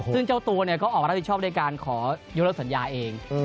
ซึ่งเจ้าตัวเนี่ยก็ออกรับผิดชอบด้วยการขอยกละสัญญาเอง